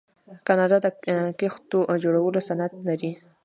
کاناډا د کښتیو جوړولو صنعت لري.